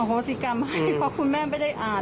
โหสิกรรมให้เพราะคุณแม่ไม่ได้อ่าน